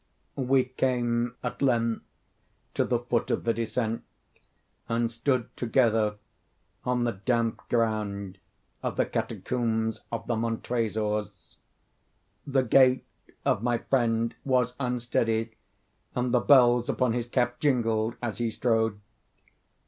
We came at length to the foot of the descent, and stood together on the damp ground of the catacombs of the Montresors. The gait of my friend was unsteady, and the bells upon his cap jingled as he strode.